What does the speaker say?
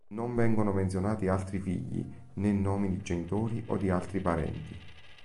Non vengono menzionati altri figli, né nomi di genitori o di altri parenti.